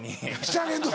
してあげるの。